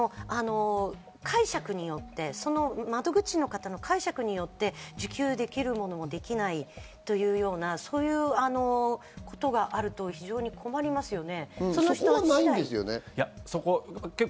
解釈によって、窓口の方の解釈によって受給できるものもできないというようなことがあると非常に困りますよね。